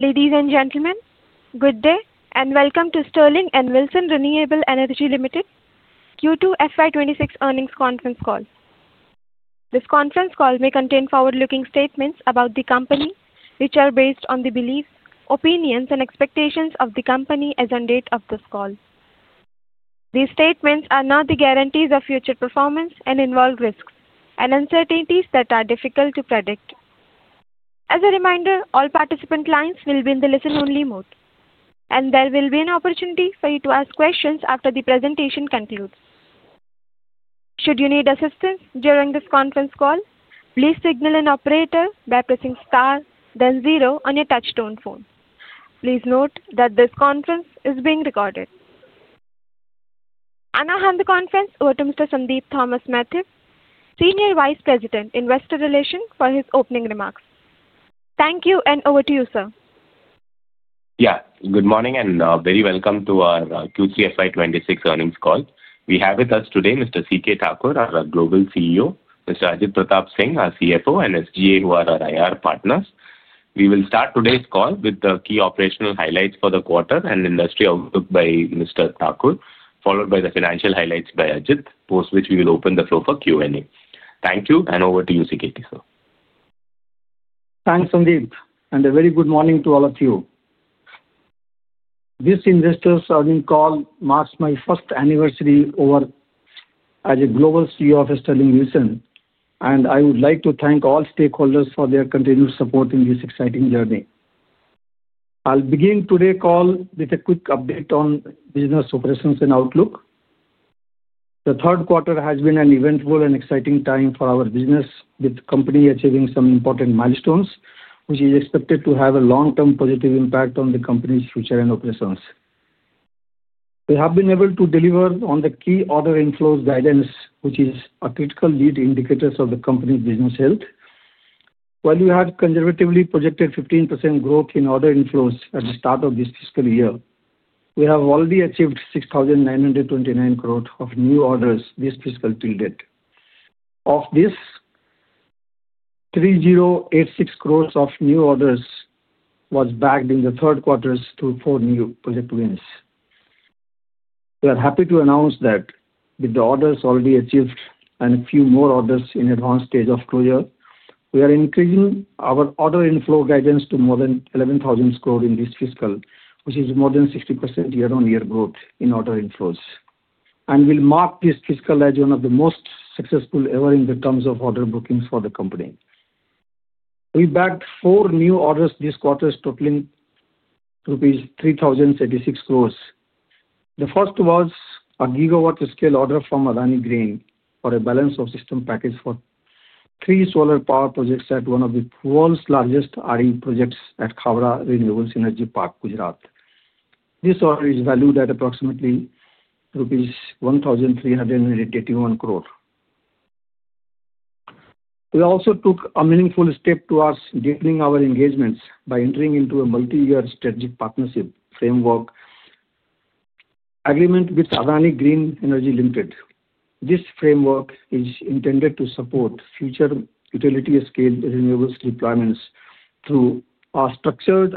Ladies and gentlemen, good day and welcome to Sterling and Wilson Renewable Energy Limited Q2 FY 2026 earnings conference call. This conference call may contain forward-looking statements about the company, which are based on the beliefs, opinions, and expectations of the company as of the date of this call. These statements are not the guarantees of future performance and involve risks and uncertainties that are difficult to predict. As a reminder, all participant lines will be in the listen-only mode, and there will be an opportunity for you to ask questions after the presentation concludes. Should you need assistance during this conference call, please signal an operator by pressing star, then zero on your touch-tone phone. Please note that this conference is being recorded. I hand the conference over to Mr. Sandeep Thomas Mathew, Senior Vice President, Investor Relations, for his opening remarks. Thank you, and over to you, sir. Yeah. Good morning and very welcome to our Q3 FY 2026 earnings call. We have with us today Mr. CK Thakur, our Global CEO, Mr. Ajit Pratap Singh, our CFO, and SGA, who are our IR partners. We will start today's call with the key operational highlights for the quarter and industry outlook by Mr. Thakur, followed by the financial highlights by Ajit, post which we will open the floor for Q&A. Thank you, and over to you, CK Thakur, sir. Thanks, Sandeep, and a very good morning to all of you. This investor's earnings call marks my first anniversary over as a Global CEO of Sterling and Wilson. I would like to thank all stakeholders for their continued support in this exciting journey. I'll begin today's call with a quick update on business operations and outlook. The third quarter has been an eventful and exciting time for our business, with the company achieving some important milestones, which is expected to have a long-term positive impact on the company's future and operations. We have been able to deliver on the key order inflows guidance, which is a critical lead indicator of the company's business health. While we had conservatively projected 15% growth in order inflows at the start of this fiscal year, we have already achieved 6,929 crores of new orders this fiscal till date. Of this, 3,086 crores of new orders was backed in the third quarter through four new project wins. We are happy to announce that, with the orders already achieved and a few more orders in the advanced stage of closure, we are increasing our order inflow guidance to more than 11,000 crores in this fiscal, which is more than 60% year-on-year growth in order inflows, and we'll mark this fiscal as one of the most successful ever in the terms of order bookings for the company. We backed four new orders this quarter, totaling rupees 3,036 crores. The first was a gigawatt-scale order from Adani Green for a balance of system package for three solar power projects at one of the world's largest RE projects at Khavda Renewable Energy Park, Gujarat. This order is valued at approximately rupees 1,381 crores. We also took a meaningful step towards deepening our engagements by entering into a multi-year strategic partnership framework agreement with Adani Green Energy Limited. This framework is intended to support future utility-scale renewables deployments through a structured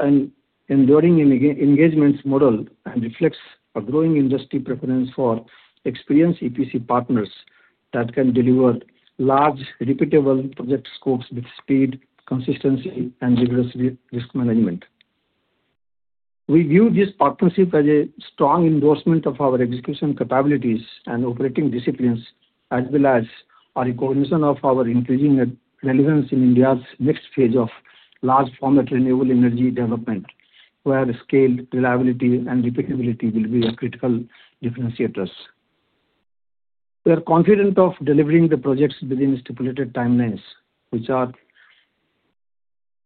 and enduring engagements model and reflects a growing industry preference for experienced EPC partners that can deliver large, repeatable project scopes with speed, consistency, and rigorous risk management. We view this partnership as a strong endorsement of our execution capabilities and operating disciplines, as well as our recognition of our increasing relevance in India's next phase of large-format renewable energy development, where scale, reliability, and repeatability will be our critical differentiators. We are confident of delivering the projects within stipulated timelines, which are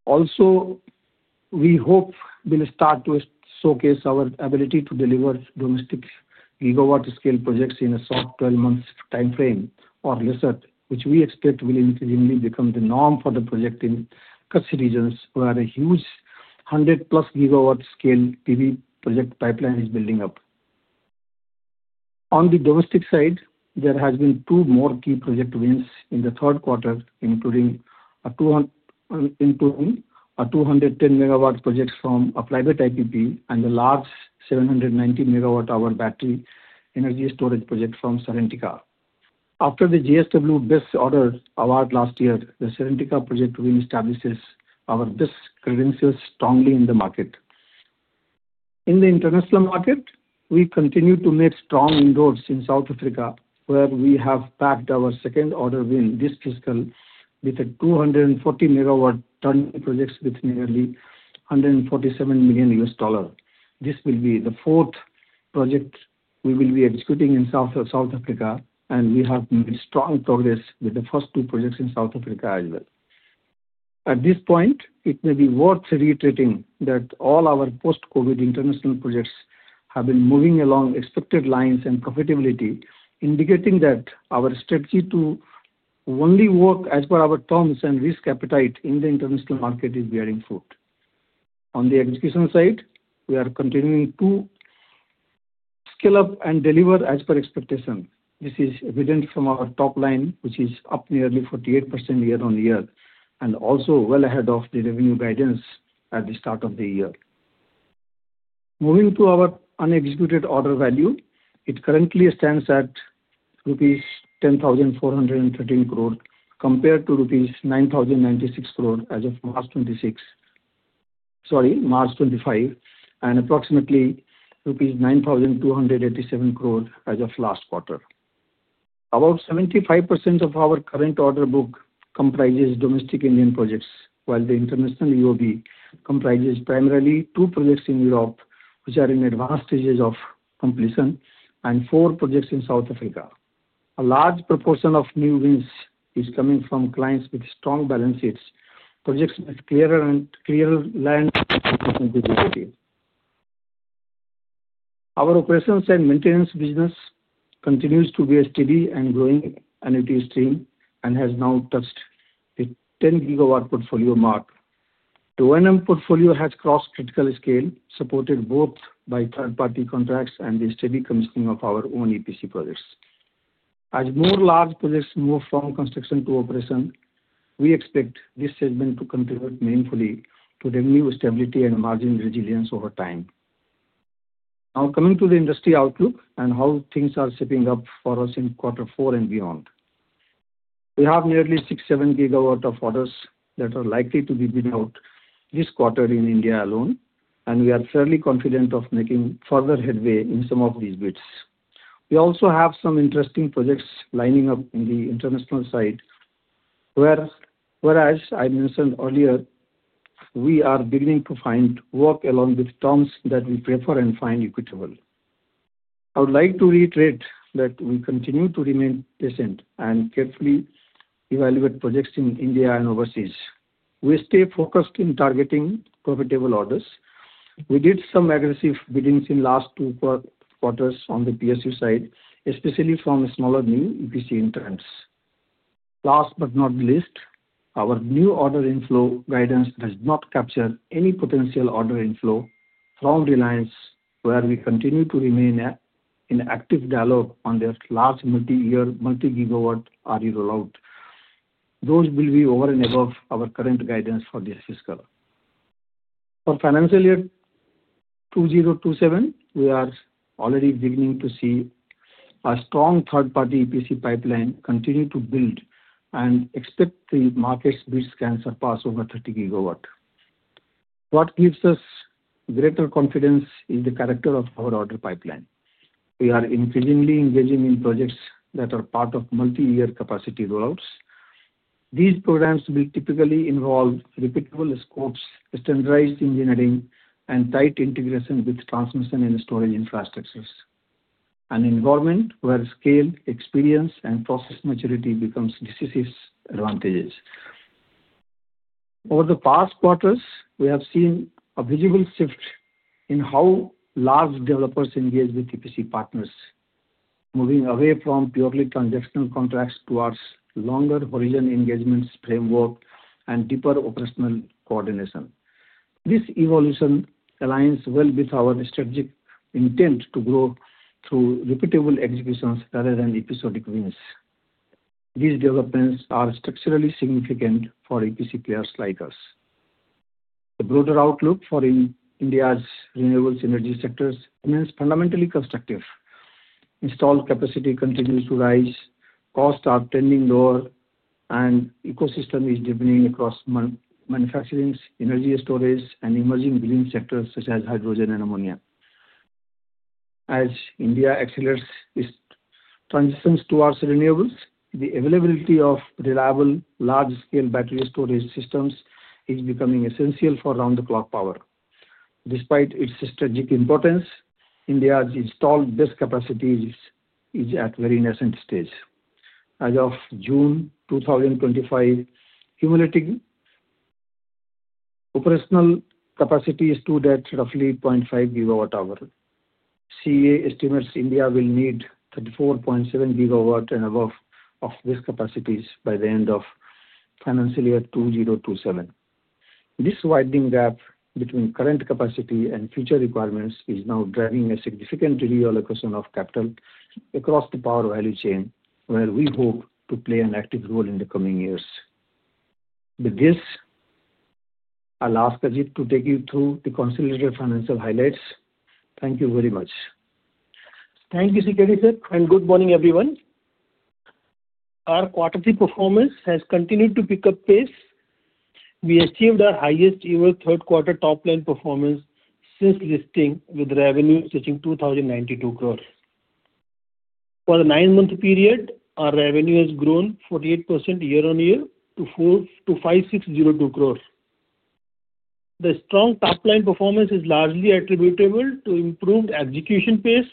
also, we hope, will start to showcase our ability to deliver domestic gigawatt-scale projects in a soft 12-month timeframe or lesser, which we expect will increasingly become the norm for the project in coastal regions where a huge 100+ GW scale PV project pipeline is building up. On the domestic side, there have been two more key project wins in the third quarter, including a 210 MW project from a private IPP and a large 790 MWh battery energy storage project from Serentica. After the JSW BESS order award last year, the Serentica project win establishes our BESS credentials strongly in the market. In the international market, we continue to make strong inroads in South Africa, where we have backed our second order win this fiscal with a 24 MW project with nearly $147 million. This will be the fourth project we will be executing in South Africa, and we have made strong progress with the first two projects in South Africa as well. At this point, it may be worth reiterating that all our post-COVID international projects have been moving along expected lines and profitability, indicating that our strategy to only work as per our terms and risk appetite in the international market is bearing fruit. On the execution side, we are continuing to scale up and deliver as per expectation. This is evident from our top line, which is up nearly 48% year-on-year and also well ahead of the revenue guidance at the start of the year. Moving to our unexecuted order value, it currently stands at rupees 10,413 crores compared to rupees 9,096 crores as of March 26, sorry, March 25, and approximately rupees 9,287 crores as of last quarter. About 75% of our current order book comprises domestic Indian projects, while the international order book comprises primarily two projects in Europe, which are in advanced stages of completion, and four projects in South Africa. A large proportion of new wins is coming from clients with strong balance sheets, projects with clearer land and business visibility. Our operations and maintenance business continues to be a steady and growing energy stream and has now touched the 10 GW portfolio mark. The O&M portfolio has crossed critical scale, supported both by third-party contracts and the steady commissioning of our own EPC projects. As more large projects move from construction to operation, we expect this segment to contribute meaningfully to revenue stability and margin resilience over time. Now, coming to the industry outlook and how things are shaping up for us in quarter four and beyond. We have nearly 67 GW of orders that are likely to be bid out this quarter in India alone, and we are fairly confident of making further headway in some of these bids. We also have some interesting projects lining up in the international side, whereas, as I mentioned earlier, we are beginning to find work along with terms that we prefer and find equitable. I would like to reiterate that we continue to remain patient and carefully evaluate projects in India and overseas. We stay focused in targeting profitable orders. We did some aggressive biddings in the last two quarters on the PSU side, especially from smaller new EPC entrants. Last but not least, our new order inflow guidance does not capture any potential order inflow from Reliance, where we continue to remain in active dialogue on their large multi-year, multi-gigawatt RE rollout. Those will be over and above our current guidance for this fiscal. For financial year 2027, we are already beginning to see a strong third-party EPC pipeline continue to build, and expect the market's bids can surpass over 30 GW. What gives us greater confidence is the character of our order pipeline. We are increasingly engaging in projects that are part of multi-year capacity rollouts. These programs will typically involve repeatable scopes, standardized engineering, and tight integration with transmission and storage infrastructures. An environment where scale, experience, and process maturity become decisive advantages. Over the past quarters, we have seen a visible shift in how large developers engage with EPC partners, moving away from purely transactional contracts towards longer-horizon engagements framework and deeper operational coordination. This evolution aligns well with our strategic intent to grow through repeatable executions rather than episodic wins. These developments are structurally significant for EPC players like us. The broader outlook for India's renewable synergy sectors remains fundamentally constructive. Installed capacity continues to rise, costs are trending lower, and the ecosystem is deepening across manufacturing, energy storage, and emerging green sectors such as hydrogen and ammonia. As India accelerates its transitions towards renewables, the availability of reliable large-scale battery storage systems is becoming essential for round-the-clock power. Despite its strategic importance, India's installed BESS capacity is at a very nascent stage. As of June 2025, cumulative operational capacity is due at roughly 0.5 GWh. CA estimates India will need 34.7 GW and above of BESS capacities by the end of financial year 2027. This widening gap between current capacity and future requirements is now driving a significant reallocation of capital across the power value chain, where we hope to play an active role in the coming years. With this, I'll ask Ajit to take you through the consolidated financial highlights. Thank you very much. Thank you, CK, and good morning, everyone. Our quarterly performance has continued to pick up pace. We achieved our highest-ever third-quarter top-line performance since listing, with revenue touching 2,092 crores. For the nine-month period, our revenue has grown 48% year-on-year to 5,602 crores. The strong top-line performance is largely attributable to improved execution pace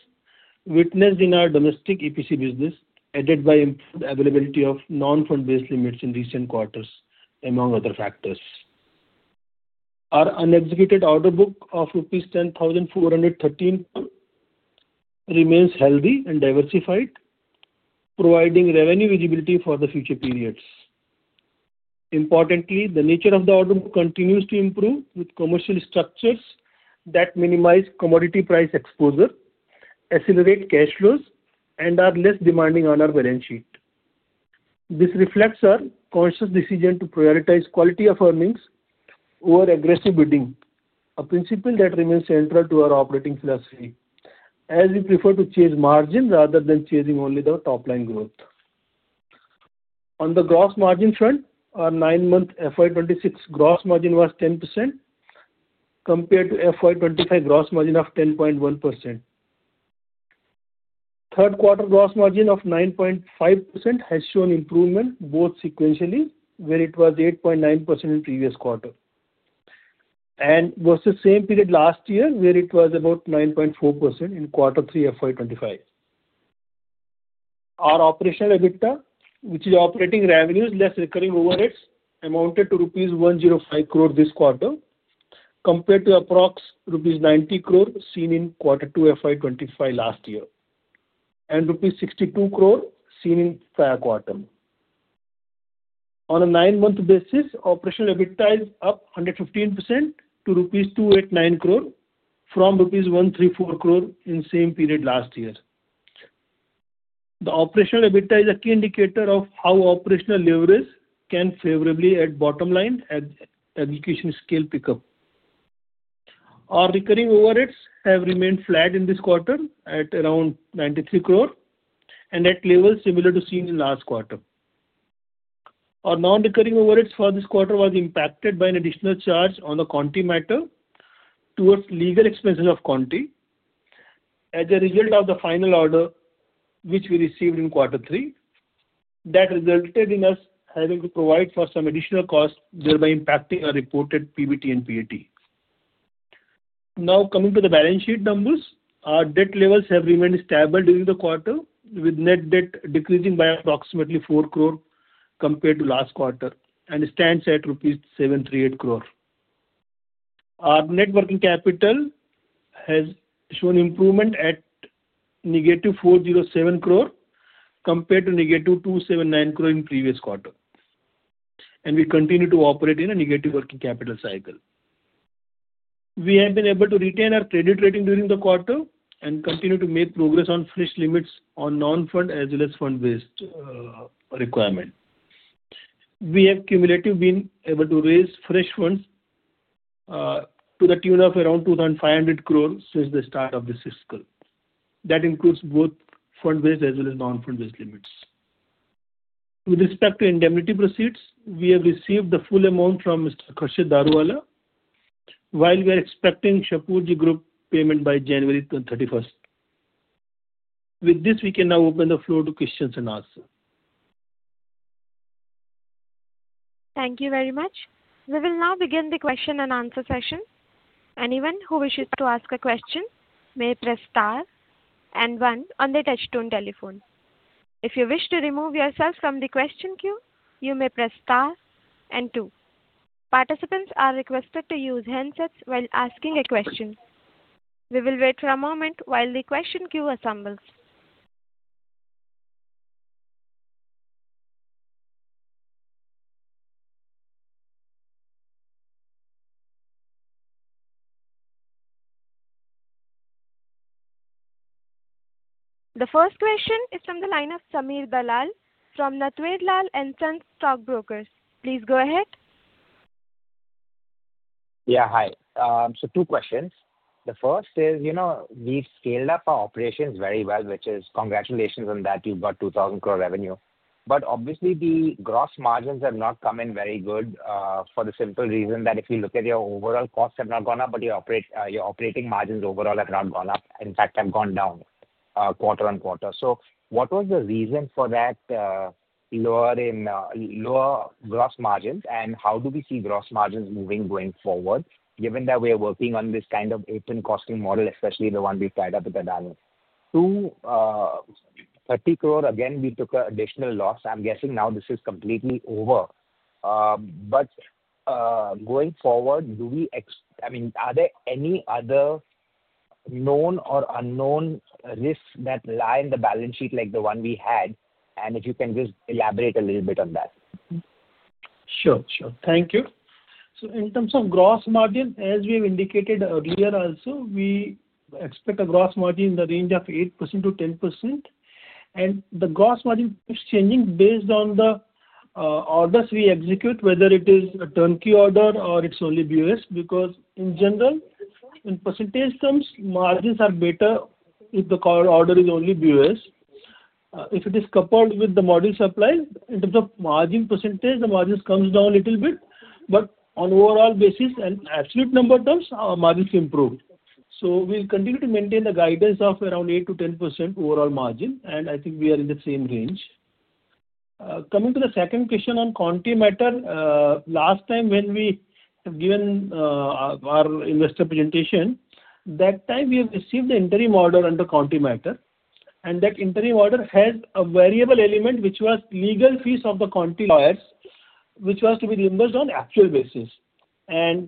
witnessed in our domestic EPC business, aided by improved availability of non-fund-based limits in recent quarters, among other factors. Our unexecuted order book of rupees 10,413 remains healthy and diversified, providing revenue visibility for the future periods. Importantly, the nature of the order book continues to improve, with commercial structures that minimize commodity price exposure, accelerate cash flows, and are less demanding on our balance sheet. This reflects our conscious decision to prioritize quality of earnings over aggressive bidding, a principle that remains central to our operating philosophy, as we prefer to chase margin rather than chasing only the top-line growth. On the gross margin front, our nine-month FY 2026 gross margin was 10% compared to FY 2025 gross margin of 10.1%. Third-quarter gross margin of 9.5% has shown improvement both sequentially, where it was 8.9% in the previous quarter, and was the same period last year, where it was about 9.4% in quarter three FY 2025. Our operational EBITDA, which is operating revenues less recurring overheads, amounted to rupees 105 crores this quarter compared to approx rupees 90 crores seen in quarter two FY 2025 last year and rupees 62 crores seen in prior quarter. On a nine-month basis, operational EBITDA is up 115% to rupees 289 crores from rupees 134 crores in the same period last year. The operational EBITDA is a key indicator of how operational leverage can favorably add bottom line at execution scale pickup. Our recurring overheads have remained flat in this quarter at around 93 crores and at levels similar to seen in last quarter. Our non-recurring overheads for this quarter were impacted by an additional charge on the Conti matter towards legal expenses of Conti as a result of the final order which we received in quarter three. That resulted in us having to provide for some additional costs, thereby impacting our reported PBT and PAT. Now, coming to the balance sheet numbers, our debt levels have remained stable during the quarter, with net debt decreasing by approximately 4 crores compared to last quarter and stands at rupees 738 crores. Our net working capital has shown improvement at -407 crores compared to -279 crores in the previous quarter, and we continue to operate in a negative working capital cycle. We have been able to retain our credit rating during the quarter and continue to make progress on fresh limits on non-fund as well as fund-based requirement. We have cumulatively been able to raise fresh funds to the tune of around 2,500 crores since the start of this fiscal. That includes both fund-based as well as non-fund-based limits. With respect to indemnity proceeds, we have received the full amount from Mr. Khurshed Daruvala, while we are expecting Shapoorji Group payment by January 31. With this, we can now open the floor to questions and answers. Thank you very much. We will now begin the question and answer session. Anyone who wishes to ask a question may press star and one on the touch-tone telephone. If you wish to remove yourself from the question queue, you may press star and two. Participants are requested to use handsets while asking a question. We will wait for a moment while the question queue assembles. The first question is from the line of Sameer Dalal from Natverlal & Sons Stockbrokers. Please go ahead. Yeah, hi. So, two questions. The first is, you know, we've scaled up our operations very well, which is congratulations on that. You've got 2,000 crore revenue. But obviously, the gross margins have not come in very good for the simple reason that if you look at your overall costs have not gone up, but your operating margins overall have not gone up. In fact, they have gone down quarter-on-quarter. So, what was the reason for that lower gross margins? And how do we see gross margins moving going forward, given that we are working on this kind of open costing model, especially the one we've tied up with Adani? To 30 crore, again, we took an additional loss. I'm guessing now this is completely over. But going forward, do we—I mean, are there any other known or unknown risks that lie in the balance sheet like the one we had? And if you can just elaborate a little bit on that. Sure, sure. Thank you so, in terms of gross margin, as we have indicated earlier also, we expect a gross margin in the range of 8%-10%. And the gross margin keeps changing based on the orders we execute, whether it is a turnkey order or it's only BOS, because in general, in percentage terms, margins are better if the order is only BOS. If it is coupled with the module supply, in terms of margin percentage, the margins come down a little bit. But on overall basis and absolute number terms, our margins improve so, we'll continue to maintain the guidance of around 8%-10% overall margin, and I think we are in the same range. Coming to the second question on Conti matter, last time when we have given our investor presentation, that time we have received the interim order under Conti matter. That interim order has a variable element, which was legal fees of the Conti lawyers, which was to be reimbursed on an actual basis.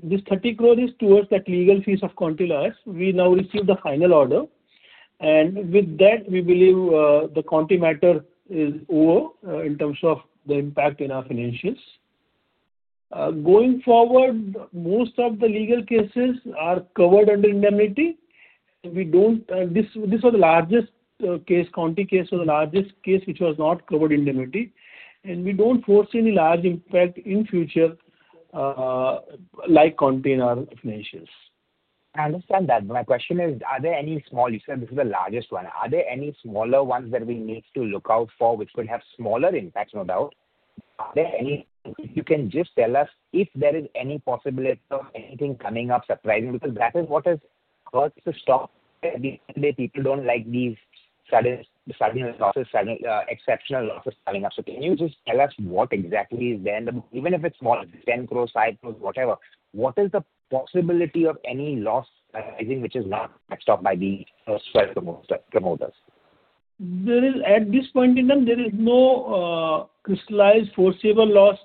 This 30 crore is towards that legal fees of Conti lawyers. We now received the final order. With that, we believe the Conti matter is over in terms of the impact in our financials. Going forward, most of the legal cases are covered under indemnity. This was the largest case, Conti case, which was not covered indemnity. We don't foresee any large impact in the future like Conti in our financials. I understand that. My question is, are there any small—you said this is the largest one. Are there any smaller ones that we need to look out for which could have smaller impacts, no doubt? Are there any—if you can just tell us if there is any possibility of anything coming up surprising, because that is what has hurt the stock. At the end of the day, people don't like these sudden losses, exceptional losses coming up. So, can you just tell us what exactly is there in the—even if it's small, 10 crores, 5 crores, whatever, what is the possibility of any loss arising which is not matched up by the first 12 promoters? At this point in time, there is no crystallized foreseeable loss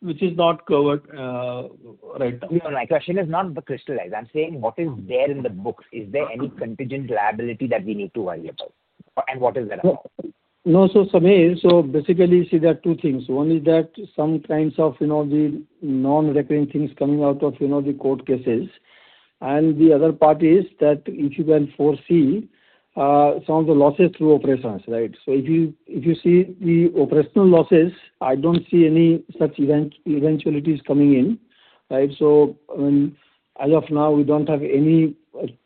which is not covered right now. My question is not the crystallized. I'm saying what is there in the books? Is there any contingent liability that we need to worry about? And what is that about? No, so Sameer, so basically, you see there are two things. One is that some kinds of the non-recurring things coming out of the court cases. And the other part is that if you can foresee some of the losses through operations, right? So, if you see the operational losses, I don't see any such eventualities coming in, right? So, as of now, we don't have any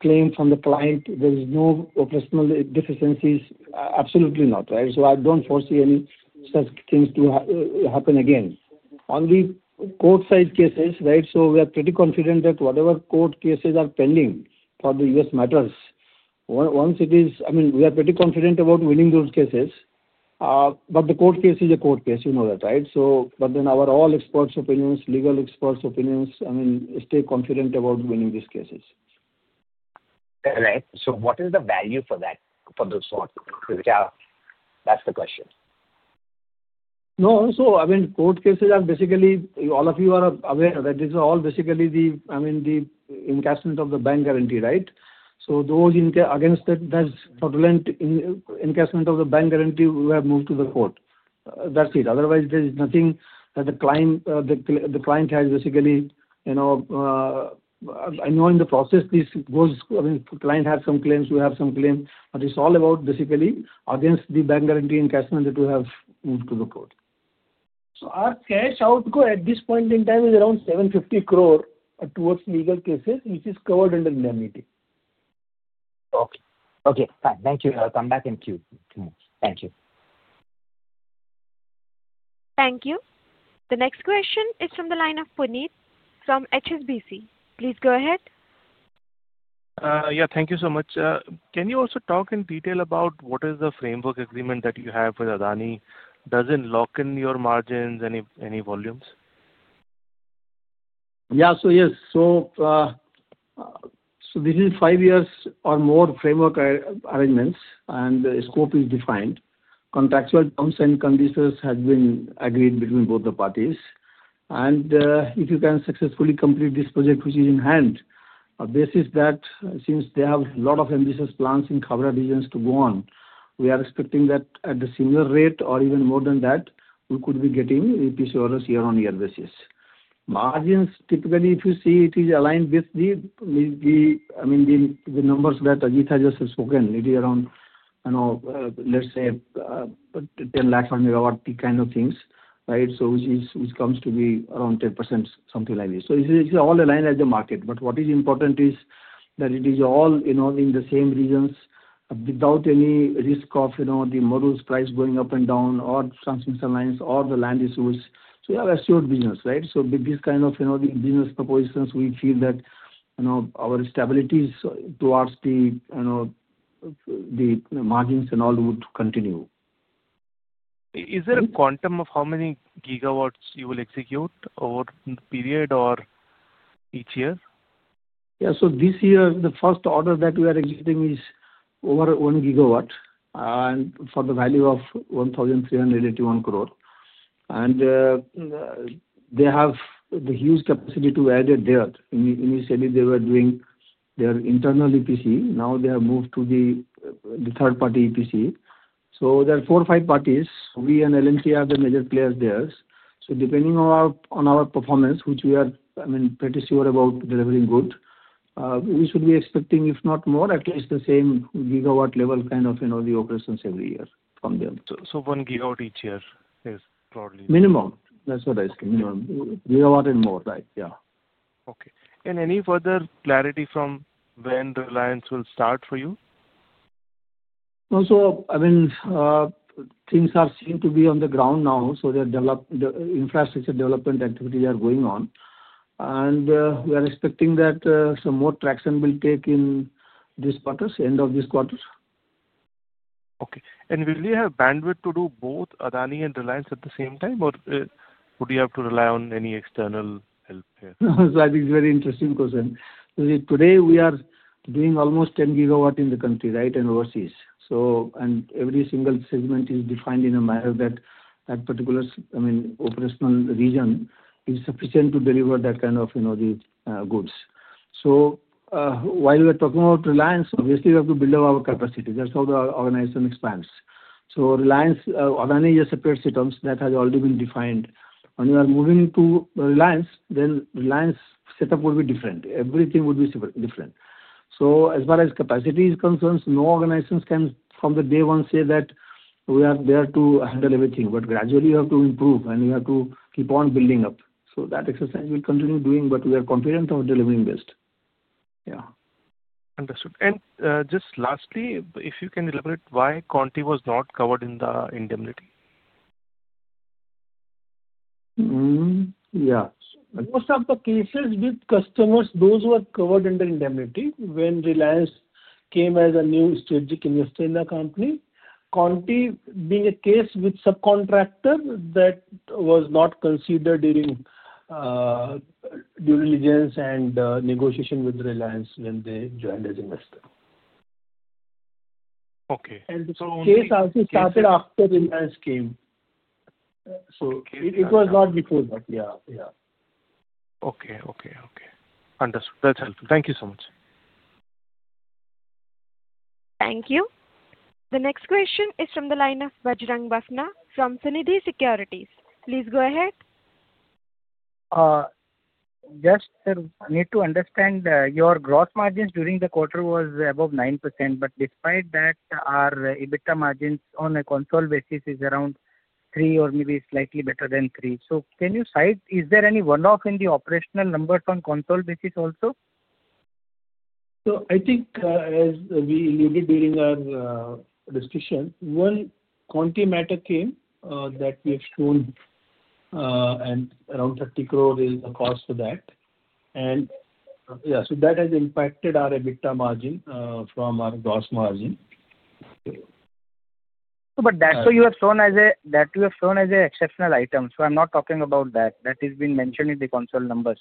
claim from the client. There is no operational deficiencies, absolutely not, right? So, I don't foresee any such things to happen again. On the court-side cases, right? So, we are pretty confident that whatever court cases are pending for the U.S. matters, once it is, I mean, we are pretty confident about winning those cases. But the court case is a court case, you know that, right? Overall, experts' opinions, legal experts' opinions. I mean, stay confident about winning these cases. Right. What is the value for that, for those court cases? That's the question. No, so I mean, court cases are basically, all of you are aware that this is all basically the, I mean, the encashment of the bank guarantee, right? So, those against that, that's the encashment of the bank guarantee we have moved to the court. That's it. Otherwise, there is nothing that the client has basically. I know in the process, this goes. I mean, the client has some claims, we have some claims. But it's all about basically against the bank guarantee encashment that we have moved to the court. So, our cash outgo at this point in time is around 750 crore towards legal cases, which is covered under indemnity. Okay. Okay. Thank you. I'll come back and queue. Thank you. Thank you. The next question is from the line of Puneet from HSBC. Please go ahead. Yeah, thank you so much. Can you also talk in detail about what is the framework agreement that you have with Adani? Does it lock in your margins and any volumes? Yeah, so yes. So, this is five years or more framework arrangements, and the scope is defined. Contractual terms and conditions have been agreed between both the parties. And if you can successfully complete this project which is in hand, a basis that since they have a lot of ambitious plans in Khavda region to go on, we are expecting that at the similar rate or even more than that, we could be getting EPC orders year-on-year basis. Margins, typically, if you see, it is aligned with the—I mean, the numbers that Ajit has just spoken, it is around, let's say, 10 lakhs per megawatt, kind of things, right? So, which comes to be around 10%, something like this. So, it's all aligned at the market. But what is important is that it is all in the same regions without any risk of the modules' price going up and down or transmission lines or the land issues. So, we have a shared business, right? So, with this kind of business propositions, we feel that our stability towards the margins and all would continue. Is there a quantum of how many gigawatts you will execute over the period or each year? Yeah, so this year, the first order that we are executing is over 1 GW for the value of 1,381 crore. And they have the huge capacity to add it there. Initially, they were doing their internal EPC. Now, they have moved to the third-party EPC. So, there are four or five parties. We and L&T are the major players there. So, depending on our performance, which we are, I mean, pretty sure about delivering good, we should be expecting, if not more, at least the same gigawatt level kind of the operations every year from them. 1 GW each year is probably. Minimum. That's what I say. Minimum. Gigawatt and more, right? Yeah. Okay. And any further clarity from when Reliance will start for you? Also, I mean, things are seen to be on the ground now. So, the infrastructure development activities are going on. And we are expecting that some more traction will take in this quarter, end of this quarter. Okay. And will you have bandwidth to do both Adani and Reliance at the same time, or would you have to rely on any external help here? So, I think it's a very interesting question. Today, we are doing almost 10 GW in the country, right, and overseas. So, and every single segment is defined in a manner that that particular, I mean, operational region is sufficient to deliver that kind of the goods. So, while we're talking about Reliance, obviously, we have to build up our capacity. That's how the organization expands. So, Reliance, Adani is a separate system that has already been defined. When you are moving to Reliance, then Reliance setup will be different. Everything would be different. So, as far as capacity is concerned, no organizations can from the day one say that we are there to handle everything. But gradually, you have to improve, and you have to keep on building up. So, that exercise we'll continue doing, but we are confident of delivering best. Yeah. Understood and just lastly, if you can elaborate why Conti was not covered in the indemnity? Yeah. Most of the cases with customers, those were covered under indemnity when Reliance came as a new strategic investor in the company. Conti being a case with subcontractor that was not considered during due diligence and negotiation with Reliance when they joined as investor. Okay. And the case also started after Reliance came. So, it was not before that. Yeah, yeah. Okay, okay, okay. Understood. That's helpful. Thank you so much. Thank you. The next question is from the line of Bajrang Bafna from Sunidhi Securities. Please go ahead. Yes, sir. I need to understand your gross margins during the quarter was above 9%. But despite that, our EBITDA margins on a consolidated basis is around 3% or maybe slightly better than 3%. So, can you say, is there any one-off in the operational numbers on consolidated basis also? I think as we alluded during our discussion, when the Conti matter came, that we have shown around 30 crore is the cost for that. And yeah, so that has impacted our EBITDA margin from our gross margin. But you have shown that as an exceptional item. So, I'm not talking about that. That has been mentioned in the consolidated numbers.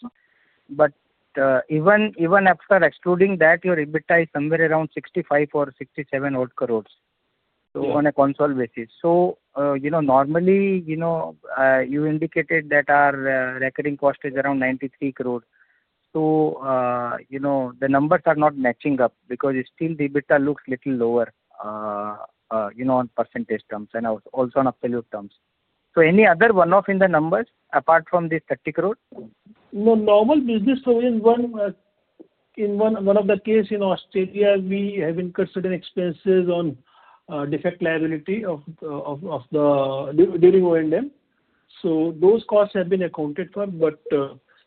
But even after excluding that, your EBITDA is somewhere around 65 or 67 odd crores on a consolidated basis. So, normally, you indicated that our cost of revenue is around 93 crore. So, the numbers are not matching up because still the EBITDA looks a little lower on percentage terms and also on absolute terms. So, any other one-off in the numbers apart from this 30 crore? No, normal business. In one of the cases in Australia, we have incurred certain expenses on defect liability period during O&M. So, those costs have been accounted for, but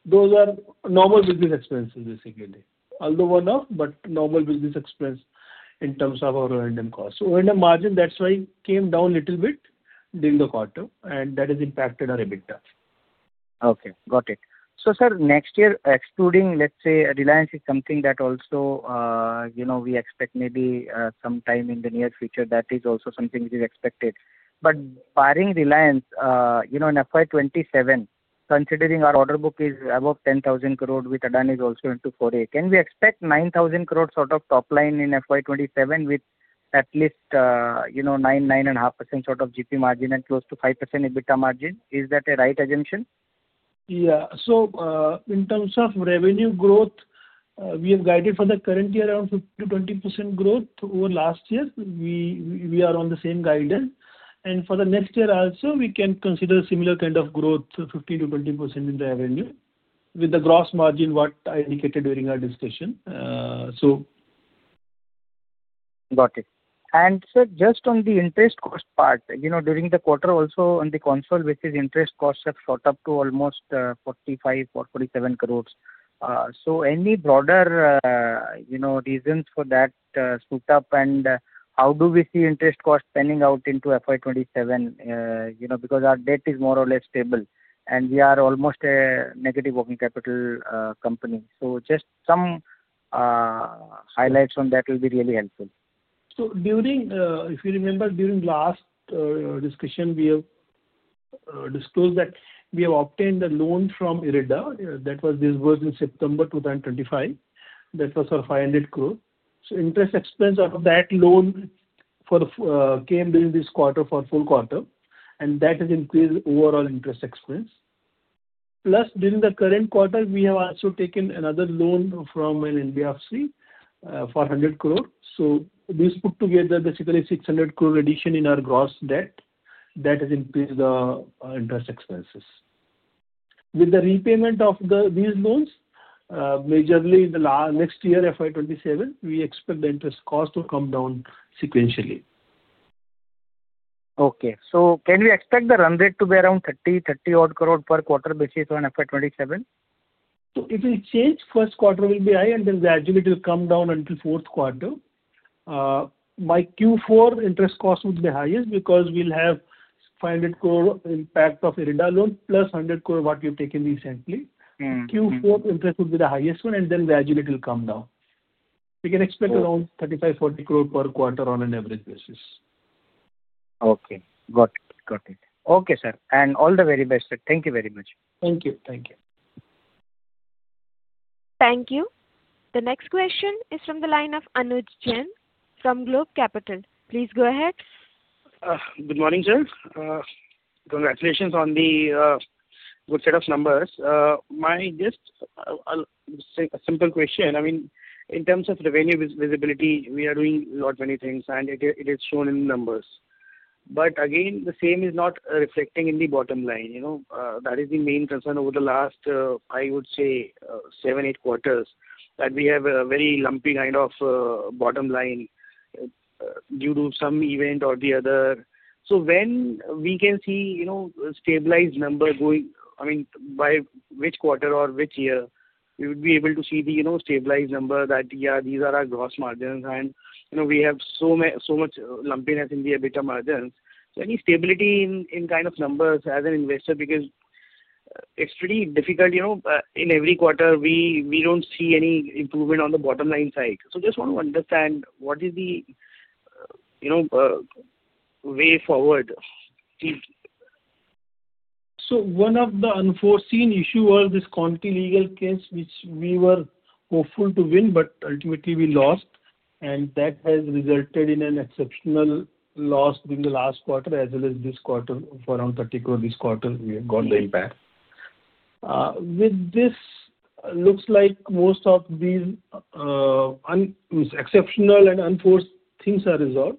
those are normal business expenses, basically. Although one-off, but normal business expense in terms of our O&M costs. O&M margin, that's why it came down a little bit during the quarter, and that has impacted our EBITDA. Okay. Got it. Sir, next year, excluding, let's say, Reliance is something that also we expect maybe sometime in the near future, that is also something which is expected. But barring Reliance, in FY 2027, considering our order book is above 10,000 crore with Adani is also into 4 GW, can we expect 9,000 crore sort of top line in FY 2027 with at least 9%-9.5% sort of GP margin and close to 5% EBITDA margin? Is that a right assumption? Yeah. So, in terms of revenue growth, we have guided for the current year around 15%-20% growth over last year. We are on the same guidance. And for the next year also, we can consider similar kind of growth, 15%-20% in the revenue with the gross margin what I indicated during our discussion. So. Got it. Sir, just on the interest cost part, during the quarter also on the consolidated, which is interest costs have shot up to almost 45 crore or 47 crore. So, any broader reasons for that shoot up and how do we see interest costs panning out into FY 2027? Because our debt is more or less stable, and we are almost a negative working capital company. So, just some highlights on that will be really helpful. So, if you remember, during last discussion, we have disclosed that we have obtained a loan from IREDA. That was disbursed in September 2025. That was for 500 crore. So, interest expense of that loan came during this quarter for full quarter, and that has increased overall interest expense. Plus, during the current quarter, we have also taken another loan from NBFC for 100 crore. So, we've put together basically 600 crore addition in our gross debt that has increased the interest expenses. With the repayment of these loans, majorly in the next year, FY 2027, we expect the interest cost to come down sequentially. Okay. So, can we expect the run rate to be around 30-odd crore per quarter basis on FY 2027? So, it will change. First quarter will be high, and then gradually it will come down until fourth quarter. My Q4 interest cost would be the highest because we'll have 500 crore impact of IREDA loan plus 100 crore what we've taken recently. Q4 interest would be the highest one, and then gradually it will come down. We can expect around 35-40 crore per quarter on an average basis. Okay. Got it. Got it. Okay, sir. And all the very best, sir. Thank you very much. Thank you. Thank you. Thank you. The next question is from the line of Anuj Jain from Globe Capital. Please go ahead. Good morning, sir. Congratulations on the good set of numbers. My question, I'll say a simple question. I mean, in terms of revenue visibility, we are doing a lot many things, and it is shown in the numbers. But again, the same is not reflecting in the bottom line. That is the main concern over the last, I would say, seven, eight quarters that we have a very lumpy kind of bottom line due to some event or the other. So, when we can see stabilized number going, I mean, by which quarter or which year, we would be able to see the stabilized number that, yeah, these are our gross margins, and we have so much lumpiness in the EBITDA margins. So, any stability in kind of numbers as an investor because it's pretty difficult. In every quarter, we don't see any improvement on the bottom line side. So, just want to understand what is the way forward? One of the unforeseen issues was this Conti legal case, which we were hopeful to win, but ultimately we lost, and that has resulted in an exceptional loss during the last quarter as well as this quarter for around 30 crore this quarter. We have got the impact. With this, looks like most of these exceptional and unforced things are resolved.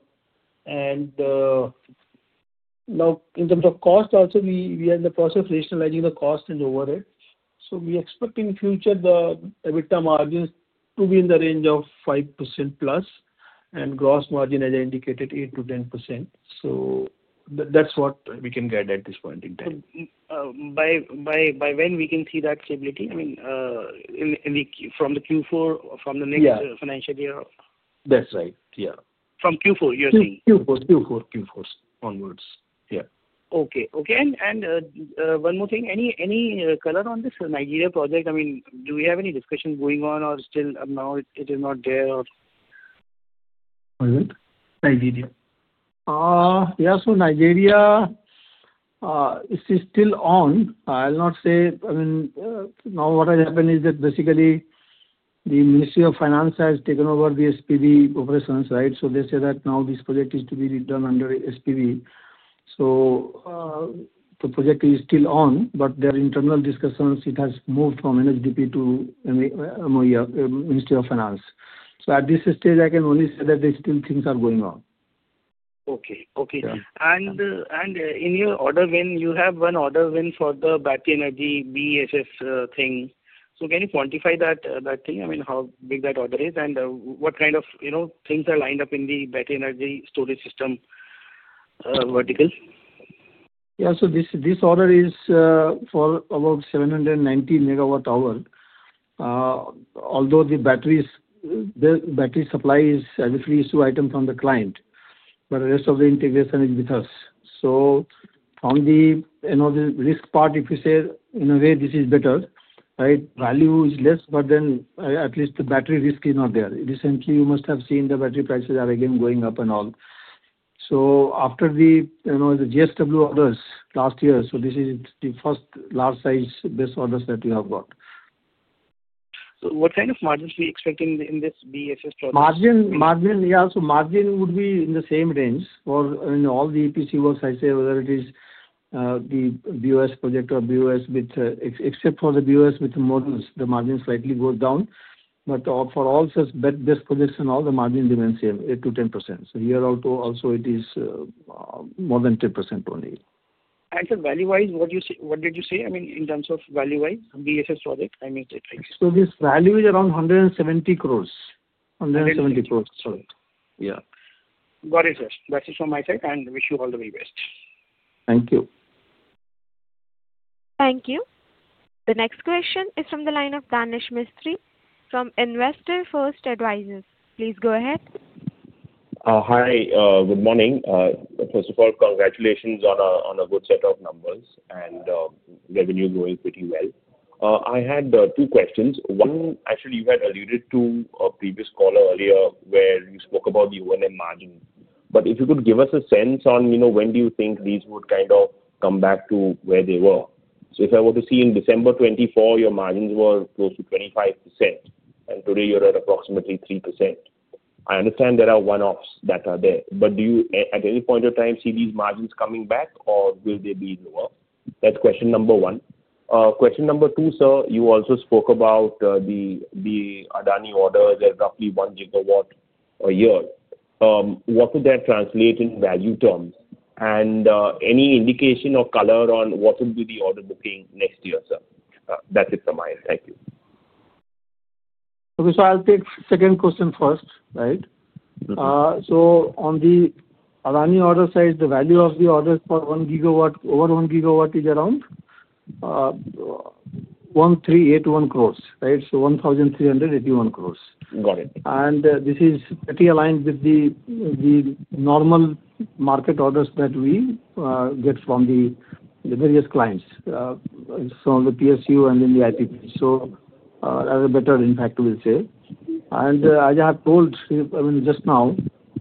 Now, in terms of cost, also, we are in the process of rationalizing the cost and overhead. We expect in future the EBITDA margins to be in the range of 5%+ and gross margin as I indicated, 8%-10%. That's what we can get at this point in time. By when we can see that stability? I mean, from the Q4, from the next financial year? That's right. Yeah. From Q4, you're saying? Q4 onwards. Yeah. Okay. And one more thing. Any color on this Nigeria project? I mean, do we have any discussion going on or still now it is not there or? What is it? Nigeria. Yeah. So, Nigeria, it is still on. I'll not say, I mean, now what has happened is that basically the Ministry of Finance has taken over the SPV operations, right? So, they say that now this project is to be redone under SPV. So, the project is still on, but their internal discussions, it has moved from NSDP to Ministry of Finance. So, at this stage, I can only say that there are still things that are going on. Okay. And in your order win, you have one order win for the battery energy BESS thing. So, can you quantify that thing? I mean, how big that order is and what kind of things are lined up in the battery energy storage system vertical? Yeah. So, this order is for about 790 MWh. Although the battery supply is as a free-issue item from the client, but the rest of the integration is with us. So, on the risk part, if you say in a way, this is better, right? Value is less, but then at least the battery risk is not there. Recently, you must have seen the battery prices are again going up and all. So, after the JSW orders last year, so this is the first large size BESS orders that we have got. What kind of margins are we expecting in this BESS project? Margin, yeah. So, margin would be in the same range for all the EPC works, I'd say, whether it is the BOS project or BOS with modules except for the BOS with the modules, the margin slightly goes down. But for all such BESS projects and all, the margin remains the same, 8%-10%. So, here also, it is more than 10% only. Actually, value-wise, what did you say? I mean, in terms of value-wise, BESS project, I missed it. So, this value is around 170 crores. 170 crores. Sorry. Yeah. Got it, sir. That's it from my side, and wish you all the very best. Thank you. Thank you. The next question is from the line of Danesh Mistry from Investor First Advisors. Please go ahead. Hi. Good morning. First of all, congratulations on a good set of numbers and revenue going pretty well. I had two questions. One, actually, you had alluded to a previous caller earlier where you spoke about the O&M margin. But if you could give us a sense on when do you think these would kind of come back to where they were? So, if I were to see in December 2024, your margins were close to 25%, and today you're at approximately 3%. I understand there are one-offs that are there. But do you, at any point of time, see these margins coming back, or will they be lower? That's question number one. Question number two, sir, you also spoke about the Adani orders at roughly 1 GW a year. What would that translate in value terms? And any indication or color on what would be the order booking next year, sir? That's it from my end. Thank you. Okay. So, I'll take second question first, right? So, on the Adani order side, the value of the orders for one gigawatt, over one gigawatt is around 1,381 crores, right? So, 1,381 crores. Got it. This is pretty aligned with the normal market orders that we get from the various clients, some of the PSU and then the IPP. So, that is a better impact, we'll say. And as I have told, I mean, just now,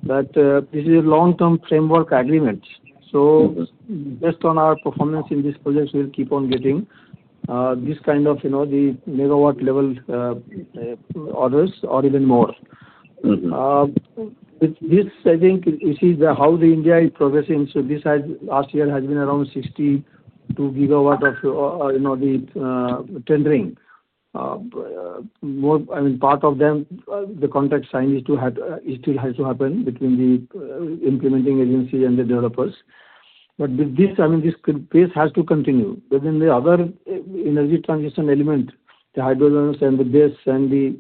that this is a long-term framework agreement. So, based on our performance in this project, we'll keep on getting this kind of the megawatt level orders or even more. With this, I think you see how the India is progressing. So, this last year has been around 62 GW of the tendering. I mean, part of them, the contract signing still has to happen between the implementing agencies and the developers. But with this, I mean, this pace has to continue. But then the other energy transition element, the hydrogen and the BESS and the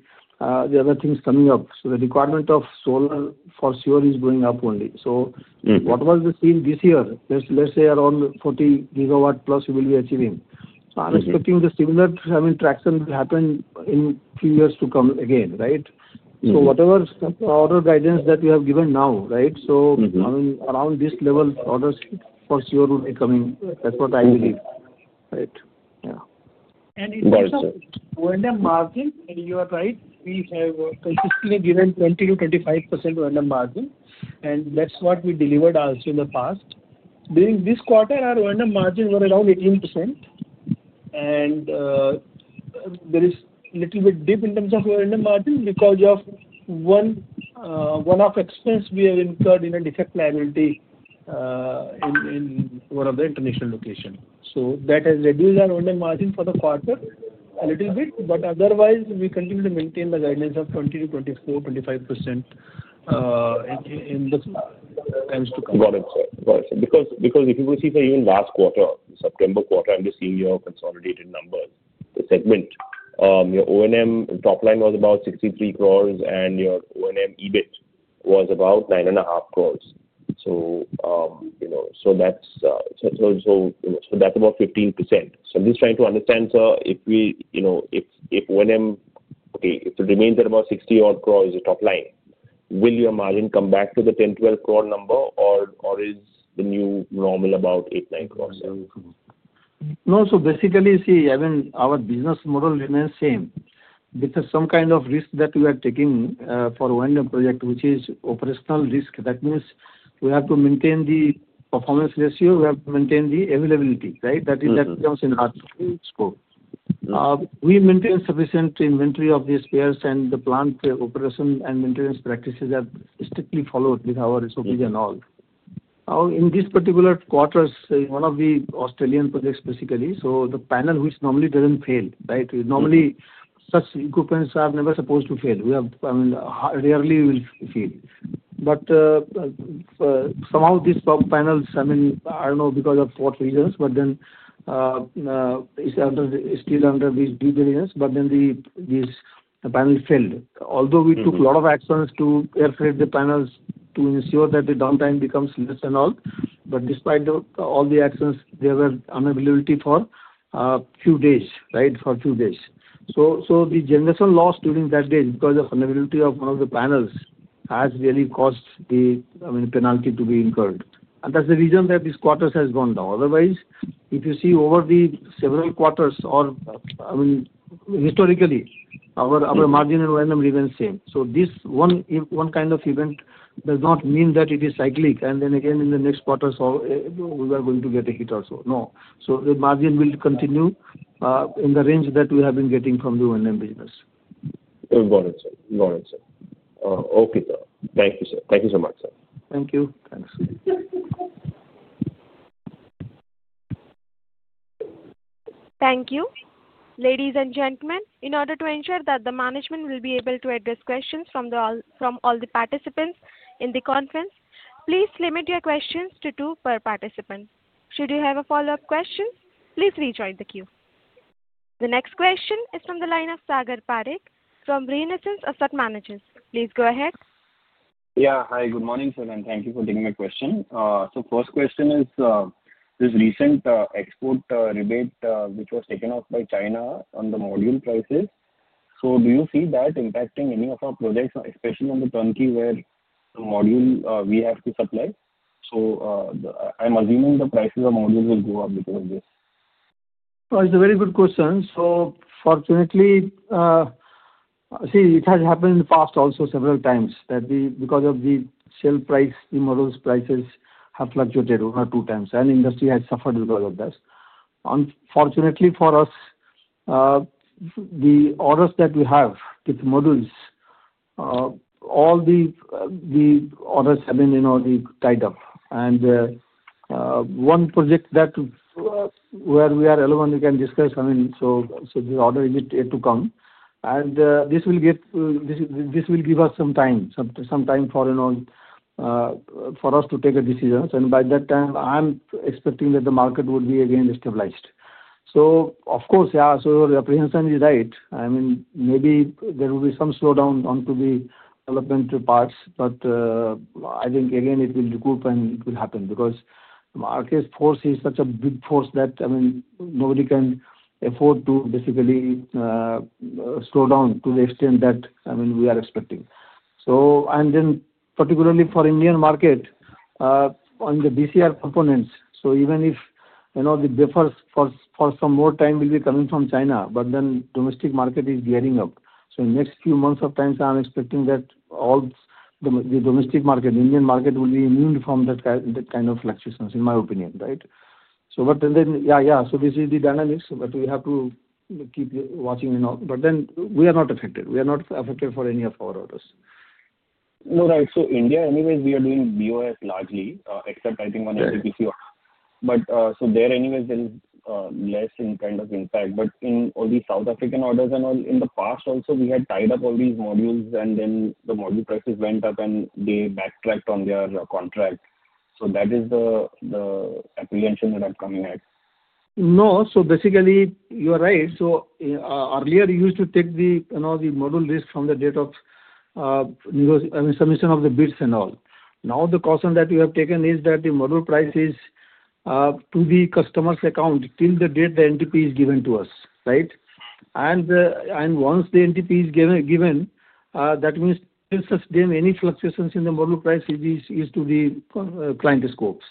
other things coming up. So, the requirement of solar for sure is going up only. So, what was the scene this year? Let's say around 40+ GW we will be achieving. I'm expecting the similar, I mean, traction will happen in a few years to come again, right? So, whatever order guidance that we have given now, right? So, I mean, around this level, orders for sure will be coming. That's what I believe, right? Yeah. In terms of O&M margin, you are right. We have consistently given 20%-25% O&M margin, and that's what we delivered also in the past. During this quarter, our O&M margin was around 18%. There is a little bit dip in terms of O&M margin because of one-off expense we have incurred in a defect liability in one of the international locations. That has reduced our O&M margin for the quarter a little bit. Otherwise, we continue to maintain the guidance of 20%-24%, 25% in the times to come. Got it, sir. Got it, sir. Because if you proceed, even last quarter, September quarter, I'm just seeing your consolidated numbers, the segment. Your O&M top line was about 63 crores, and your O&M EBIT was about 9.5 crores. So, that's about 15%. So, I'm just trying to understand, sir, if O&M, okay, if it remains at about 60 odd crores as a top line, will your margin come back to the 10-12 crore number, or is the new normal about 8-9 crores? No, so basically, see, I mean, our business model remains the same. With some kind of risk that we are taking for O&M project, which is operational risk, that means we have to maintain the performance ratio, we have to maintain the availability, right? That comes in our scope. We maintain sufficient inventory of these spares, and the plant operation and maintenance practices are strictly followed with our SOPs and all. In this particular quarter, one of the Australian projects, basically, so the panel, which normally doesn't fail, right? Normally, such equipment is never supposed to fail. We have, I mean, rarely will fail. But somehow these panels, I mean, I don't know because of what reasons, but then it's still under these due diligence, but then these panels failed. Although we took a lot of actions to air freight the panels to ensure that the downtime becomes less and all, but despite all the actions, there was unavailability for a few days, right? For a few days. So, the generation loss during that day because of unavailability of one of the panels has really caused the, I mean, penalty to be incurred. And that's the reason that this quarter has gone down. Otherwise, if you see over the several quarters or, I mean, historically, our margin and O&M remain the same. So, this one kind of event does not mean that it is cyclical, and then again in the next quarter, we are going to get a hit also. No. So, the margin will continue in the range that we have been getting from the O&M business. Got it, sir. Got it, sir. Okay, sir. Thank you, sir. Thank you so much, sir. Thank you. Thanks. Thank you. Ladies and gentlemen, in order to ensure that the management will be able to address questions from all the participants in the conference, please limit your questions to two per participant. Should you have a follow-up question, please rejoin the queue. The next question is from the line of Pawan Parakh from Renaissance Asset Management. Please go ahead. Yeah. Hi. Good morning, sir, and thank you for taking my question, so first question is this recent export rebate which was taken off by China on the module prices, so do you see that impacting any of our projects, especially on the turnkey where the module we have to supply, so I'm assuming the prices of modules will go up because of this. It's a very good question. So, fortunately, see, it has happened in the past also several times that because of the cell price, the modules prices have fluctuated one or two times, and industry has suffered because of this. Unfortunately for us, the orders that we have with modules, all the orders have been tied up. And one project where we are relevant, we can discuss, I mean, so the order is yet to come. And this will give us some time, some time for us to take a decision. And by that time, I'm expecting that the market would be again stabilized. So, of course, yeah. So, the apprehension is right. I mean, maybe there will be some slowdown onto the development parts, but I think again it will recoup and it will happen because market force is such a big force that, I mean, nobody can afford to basically slow down to the extent that, I mean, we are expecting. So, and then particularly for Indian market on the BOS components. So, even if the buffers for some more time will be coming from China, but then domestic market is gearing up. So, in the next few months of time, I'm expecting that all the domestic market, Indian market will be immune from that kind of fluctuations, in my opinion, right? So, but then, yeah, yeah. So, this is the dynamics, but we have to keep watching. But then we are not affected. We are not affected for any of our orders. No, right. So, India anyways, we are doing BOS largely, except I think one of the BCR. But so, there anyways, there is less in kind of impact. But in all these South African orders and all, in the past also, we had tied up all these modules, and then the module prices went up and they backtracked on their contract. So, that is the apprehension that I'm coming at. No. So, basically, you are right. So, earlier, you used to take the module risk from the date of, I mean, submission of the bids and all. Now, the caution that you have taken is that the module price is to the customer's account till the date the NTP is given to us, right? And once the NTP is given, that means since there's been any fluctuations in the module price, it is to the client's scopes.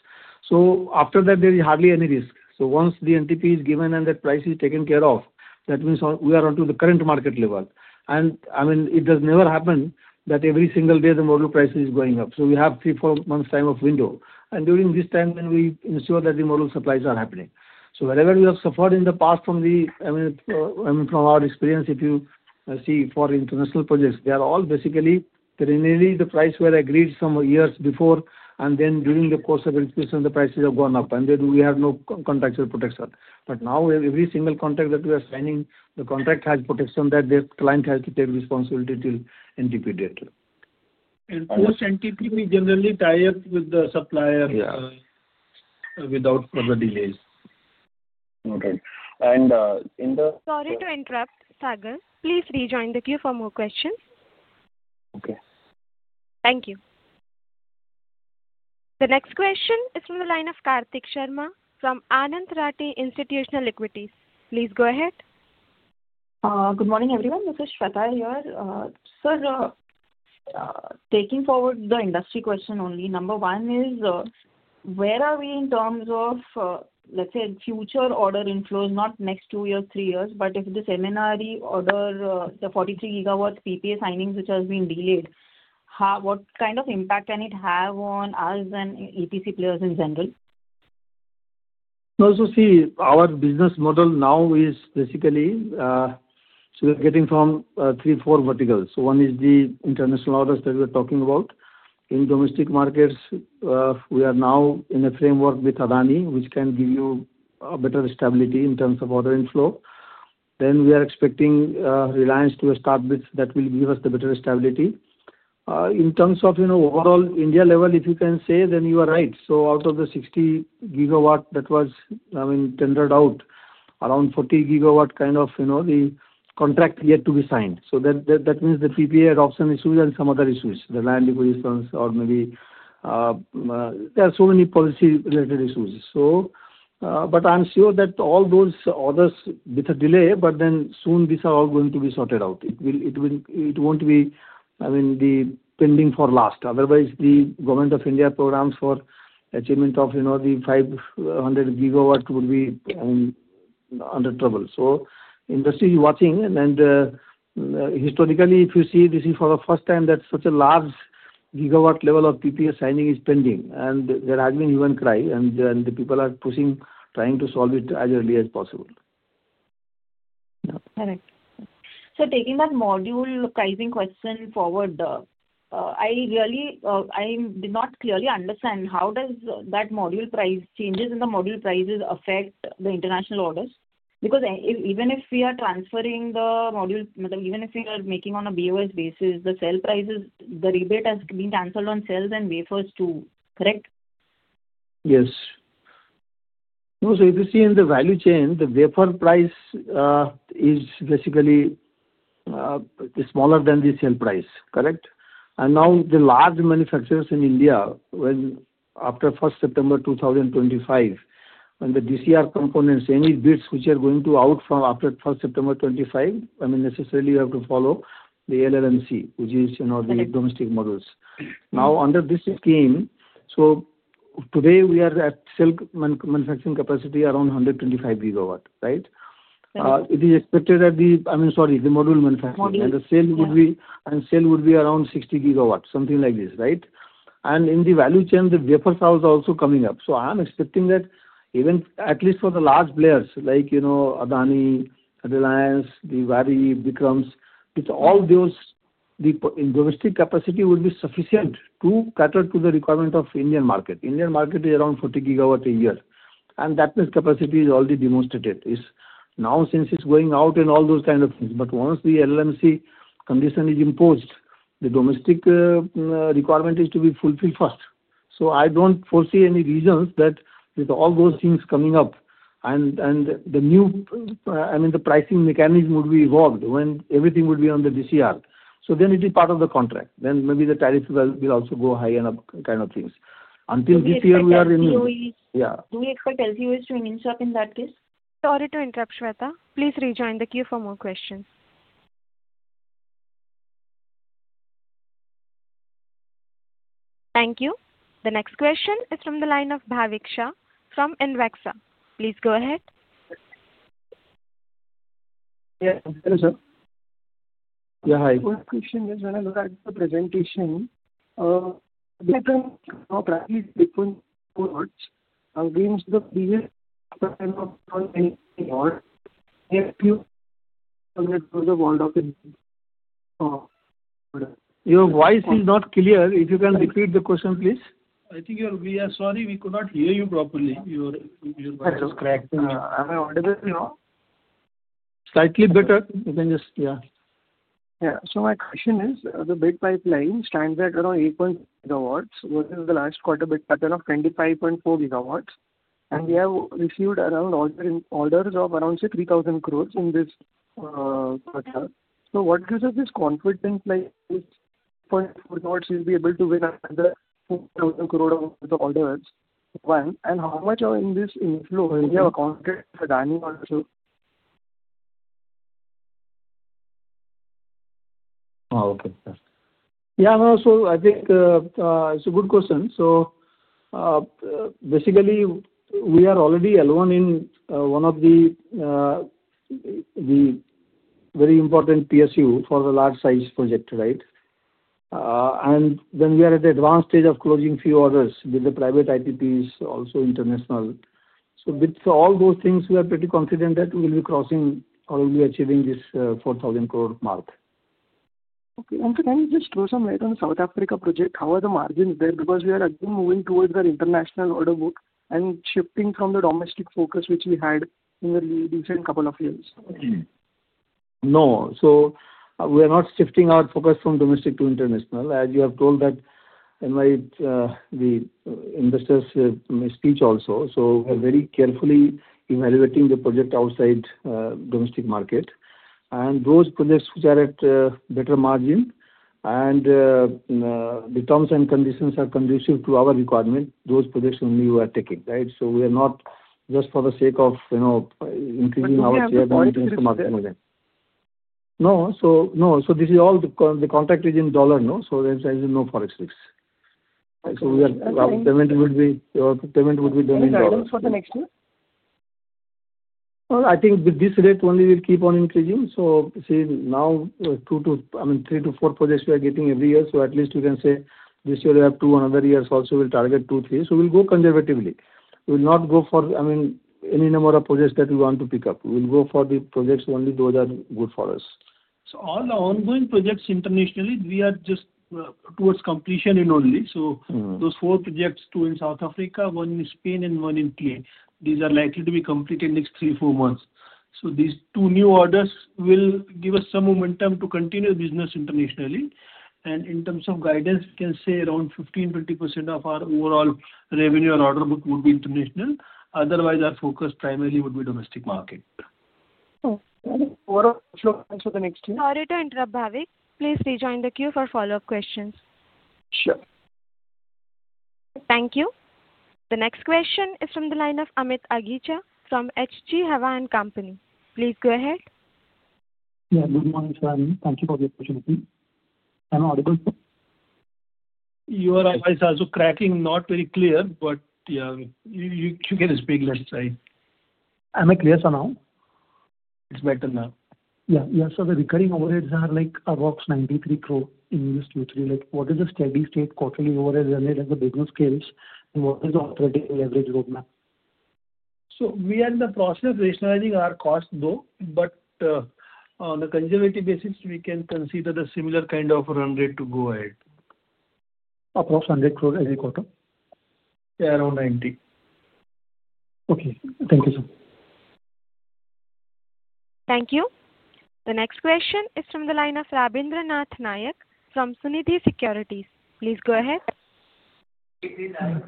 So, after that, there is hardly any risk. So, once the NTP is given and that price is taken care of, that means we are onto the current market level. And I mean, it does never happen that every single day the module price is going up. So, we have three, four months' time of window. And during this time, then we ensure that the module supplies are happening. So, whatever we have suffered in the past from the, I mean, from our experience, if you see for international projects, they are all basically primarily the price were agreed some years before, and then during the course of execution, the prices have gone up, and then we have no contractual protection. But now, every single contract that we are signing, the contract has protection that the client has to take responsibility till NTP date. And post-NTP, we generally tie up with the supplier without further delays. Okay. And in the. Sorry to interrupt, Pawan. Please rejoin the queue for more questions. Okay. Thank you. The next question is from the line of Kartik Sharma from Anand Rathi Institutional Equities. Please go ahead. Good morning, everyone. This is Swetha here. Sir, taking forward the industry question only, number one is where are we in terms of, let's say, future order inflows, not next two years, three years, but if the Synergy order, the 43 GW PPA signings which has been delayed, what kind of impact can it have on us and EPC players in general? No, so see, our business model now is basically getting from three, four verticals, so one is the international orders that we are talking about. In domestic markets, we are now in a framework with Adani, which can give you better stability in terms of order inflow. Then we are expecting Reliance to start with that will give us the better stability. In terms of overall India level, if you can say, then you are right, so out of the 60 GW that was, I mean, tendered out, around 40 GW kind of the contract yet to be signed, so that means the PPA adoption issues and some other issues, the land acquisitions or maybe there are so many policy-related issues, so but I'm sure that all those orders with a delay, but then soon these are all going to be sorted out. It won't be pending for long, I mean. Otherwise, the Government of India programs for achievement of the 500 GW would be in trouble. So, industry is watching. Historically, if you see, this is for the first time that such a large gigawatt level of PPA signing is pending, and there has been hue and cry, and the people are pushing, trying to solve it as early as possible. So, taking that module pricing question forward, I really did not clearly understand how does that module price changes in the module prices affect the international orders? Because even if we are transferring the module, even if we are making on a BOS basis, the cell prices, the rebate has been canceled on cells and modules too, correct? Yes. No, so if you see in the value chain, the BOS price is basically smaller than the cell price, correct? And now the large manufacturers in India, after 1st September 2025, when the DCR components, any bids which are going to out from after 1st September 2025, I mean, necessarily you have to follow the LLMC, which is the domestic models. Now, under this scheme, so today we are at cell manufacturing capacity around 125 GW, right? It is expected that the, I mean, sorry, the module manufacturing and the cell would be around 60 GW, something like this, right? And in the value chain, the BOS sales are also coming up. So, I'm expecting that even at least for the large players like Adani, Reliance, Waaree, Vikram, with all those, the domestic capacity would be sufficient to cater to the requirement of Indian market. Indian market is around 40 GW a year. And that means capacity is already demonstrated. Now, since it's going out and all those kind of things, but once the ALMM condition is imposed, the domestic requirement is to be fulfilled first. So, I don't foresee any reasons that with all those things coming up and the new, I mean, the pricing mechanism would be evolved when everything would be on the DCR. So, then it is part of the contract. Then maybe the tariff will also go high and up kind of things. Until this year, we are in. Do we expect LTUs to remain sharp in that case? Sorry to interrupt, Swetha. Please rejoin the queue for more questions. Thank you. The next question is from the line of Bhavik Shah from Invexa. Please go ahead. Hello, sir. Yeah, hi. The question is, when I look at the presentation, the pattern of revenue between quarters against the previous pattern of order book, if you want to know the order flow. Your voice is not clear. If you can repeat the question, please. I think we are sorry we could not hear you properly. It's just cracking. I mean, whatever. Slightly better. You can just, yeah. Yeah. So my question is the bid pipeline stands at around 8.5 GW versus the last quarter bid pipeline of 25.4 GW. And we have received around orders of around 3,000 crores in this quarter. So what gives us this confidence like 4.4 GW will be able to win another 4,000 crore of the orders? And how much are in this inflow? We have accounted for Adani also. Okay, sir. Yeah, no, so I think it's a good question. So basically, we are already a loan from one of the very important PSU for the large size project, right? And then we are at the advanced stage of closing few orders with the private IPPs, also international. So with all those things, we are pretty confident that we will be crossing or we will be achieving this 4,000 crore mark. Okay. And can you just elaborate on the South Africa project? How are the margins there? Because we are again moving towards that international order book and shifting from the domestic focus which we had in the recent couple of years. No. So we are not shifting our focus from domestic to international. As you have told that in the investors' speech also, so we are very carefully evaluating the project outside the domestic market. And those projects which are at better margin and the terms and conditions are conducive to our requirement, those projects only we are taking, right? So we are not just for the sake of increasing our share by making some margin again. No, so no. So this is all the contract is in dollar, no? So there is no forex risk. So payment would be done in dollar. What happens for the next year? Well, I think with this rate only we'll keep on increasing. So see, now two, I mean, three to four projects we are getting every year. So at least we can say this year we have two, another year also we'll target two, three. So we'll go conservatively. We'll not go for, I mean, any number of projects that we want to pick up. We'll go for the projects only those that are good for us. So, all the ongoing projects internationally, we are just towards completion in only. So, those four projects, two in South Africa, one in Spain, and one in Chile, these are likely to be completed in the next three, four months. So, these two new orders will give us some momentum to continue business internationally. And in terms of guidance, we can say around 15%-20% of our overall revenue or order book would be international. Otherwise, our focus primarily would be domestic market. Sorry to interrupt, Bhavik. Please rejoin the queue for follow-up questions. Sure. Thank you. The next question is from the line of Amit Agicha from H.G. Hawa & Company. Please go ahead. Yeah, good morning, sir. Thank you for the opportunity. I'm audible? Your voice is also cracking, not very clear, but yeah, you can speak, let's say. Am I clear for now? It's better now. Yeah. So the recurring overheads are like approximately 93 crore in the industry. What is the steady-state quarterly overhead run rate as the business scales? And what is the operating leverage roadmap? So we are in the process of rationalizing our cost, though. But on a conservative basis, we can consider the similar kind of run rate to go ahead. Approximately 100 crore every quarter? Yeah, around 90. Okay. Thank you, sir. Thank you. The next question is from the line of Rabindra Nath Nayak from Sunidhi Securities. Please go ahead.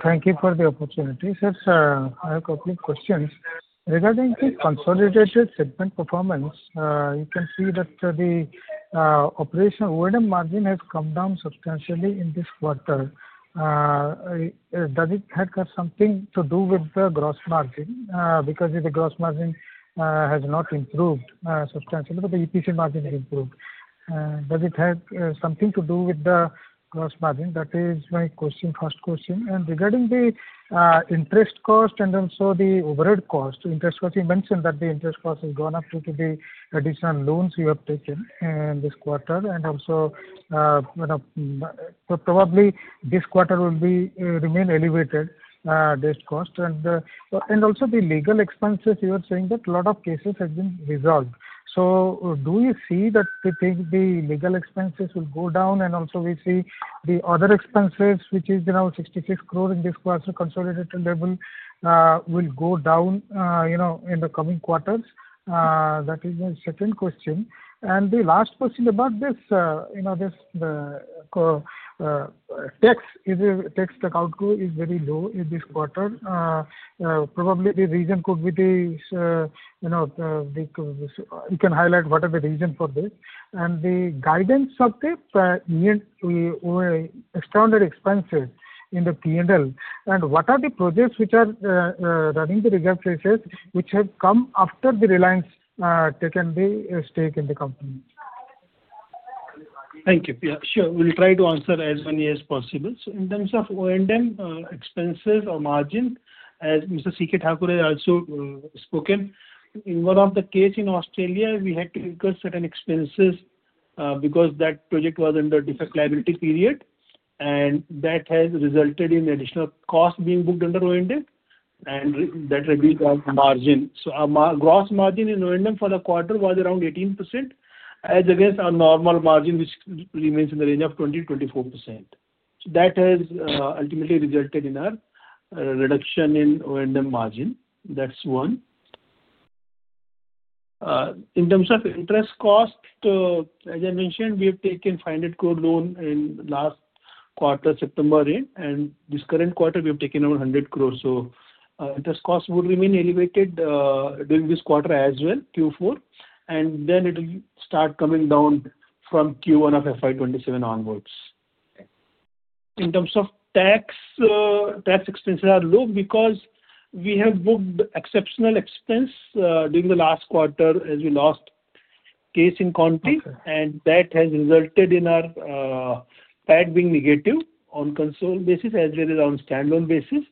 Thank you for the opportunity. Sir, I have a couple of questions. Regarding the consolidated segment performance, you can see that the operational O&M margin has come down substantially in this quarter. Does it have something to do with the gross margin? Because the gross margin has not improved substantially, but the EPC margin has improved. Does it have something to do with the gross margin? That is my question, first question. And regarding the interest cost and also the overhead cost, interest cost, you mentioned that the interest cost has gone up due to the additional loans you have taken this quarter. And also, probably this quarter will remain elevated, this cost. And also the legal expenses, you are saying that a lot of cases have been resolved. So do you see that the legal expenses will go down? And also we see the other expenses, which is around 66 crore in this quarter, consolidated level, will go down in the coming quarters? That is my second question. And the last question about this, the tax account is very low this quarter. Probably the reason could be the you can highlight what are the reasons for this. And the guidance of the extraordinary expenses in the P&L, and what are the projects which are running the reserved places which have come after the Reliance taken the stake in the company? Thank you. Yeah, sure. We'll try to answer as many as possible. In terms of O&M expenses or margin, as Mr. CK Thakur had also spoken, in one of the cases in Australia, we had to incur certain expenses because that project was under defect liability period. That has resulted in additional costs being booked under O&M, and that reduced our margin. Our gross margin in O&M for the quarter was around 18%, as against our normal margin, which remains in the range of 20%-24%. That has ultimately resulted in our reduction in O&M margin. That's one. In terms of interest cost, as I mentioned, we have taken 500 crore loan in last quarter, September, and this current quarter, we have taken around 100 crore. Interest costs will remain elevated during this quarter as well, Q4. Then it will start coming down from Q1 of FY 2027 onwards. In terms of tax, tax expenses are low because we have booked exceptional expense during the last quarter as we lost a case in court. That has resulted in our PAT being negative on consolidated basis as well as on standalone basis.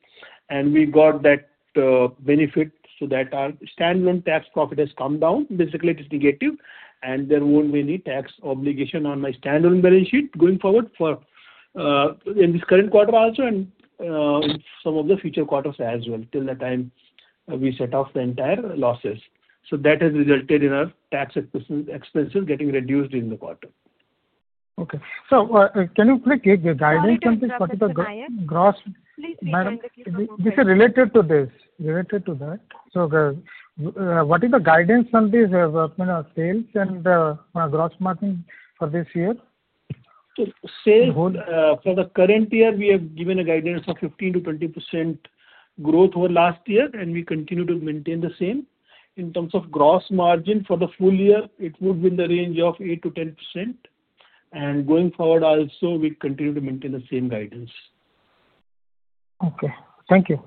We got that benefit so that our standalone tax profit has come down. Basically, it is negative. There won't be any tax obligation on our standalone balance sheet going forward in this current quarter also and in some of the future quarters as well. Till that time, we set off the entire losses. That has resulted in our tax expenses getting reduced in the quarter. Okay, so can you please give the guidance on this particular gross? Please rejoin the queue. This is related to this, related to that. So what is the guidance on this development of sales and gross margin for this year? For the current year, we have given a guidance of 15%-20% growth over last year, and we continue to maintain the same. In terms of gross margin for the full year, it would be in the range of 8%-10%. And going forward also, we continue to maintain the same guidance. Okay. Thank you.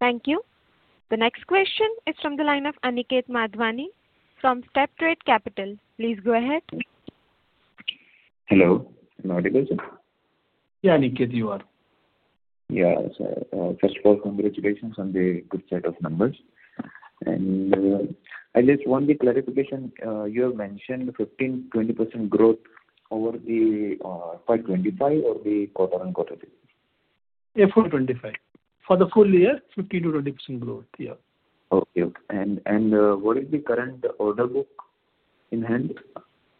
Thank you. The next question is from the line of Aniket Madhwani from Steptrade Capital. Please go ahead. Hello. Am I audible? Yeah, Aniket, you are. Yeah. First of all, congratulations on the good set of numbers, and I just want the clarification. You have mentioned 15%-20% growth over the FY 2025 or the quarter-on-quarter? Yeah, FY 2025. For the full year, 15%-20% growth, yeah. Okay. And what is the current order book in hand?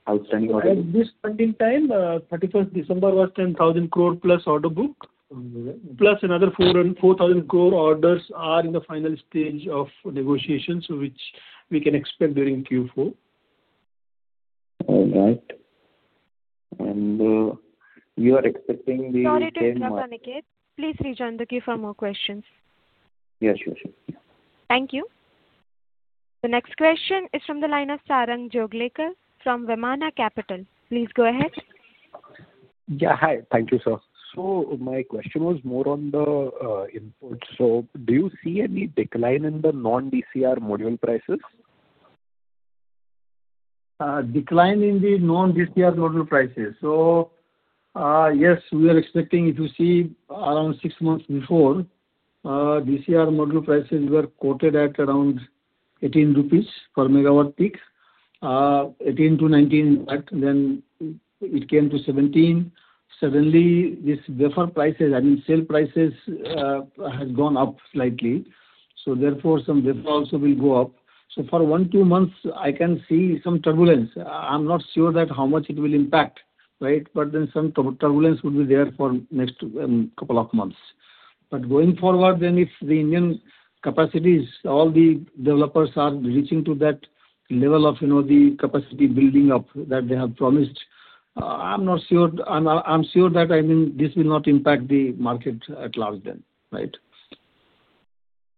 Outstanding order book? At this point in time, 31st December was 10,000 crore plus order book. Plus another 4,000 crore orders are in the final stage of negotiations, which we can expect during Q4. All right, and you are expecting the same? Sorry to interrupt, Aniket. Please rejoin the queue for more questions. Yeah, sure, sure. Thank you. The next question is from the line of Sarang Joglekar from Vimana Capital. Please go ahead. Yeah, hi. Thank you, sir. So my question was more on the input. So do you see any decline in the non-DCR module prices? Decline in the non-DCR module prices. So yes, we are expecting to see around six months before DCR module prices were quoted at around 18 rupees per watt peak, 18-19, but then it came to 17. Suddenly, this wafer prices, I mean, cell prices have gone up slightly. So therefore, some wafer also will go up. So for one to two months, I can see some turbulence. I'm not sure that how much it will impact, right? But then some turbulence would be there for the next couple of months. But going forward, then if the Indian capacities, all the developers are reaching to that level of the capacity building up that they have promised, I'm not sure. I'm sure that, I mean, this will not impact the market at large then, right?